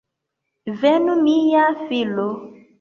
Venu mia filo!